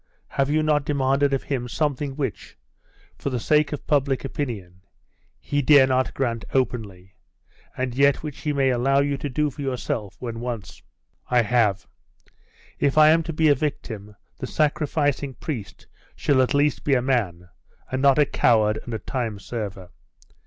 Have you not demanded of him something which, for the sake of public opinion, he dare not grant openly, and yet which he may allow you to do for yourself when once ' 'I have. If I am to be a victim, the sacrificing priest shall at least be a man, and not a coward and a time server.